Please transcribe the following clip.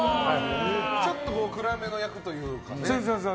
ちょっと暗めの役というかね。